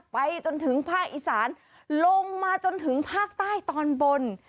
ไปจนถึงภาคอีสานลงมาจนถึงภาคใต้ตอนบน